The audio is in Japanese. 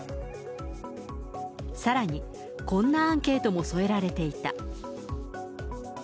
さらに、こんなアンケートも添えられていた。